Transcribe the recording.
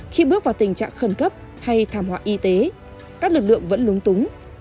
khi bước vào tình trạng khẩn cấp hay thảm họa y tế các lực lượng vẫn lúng túng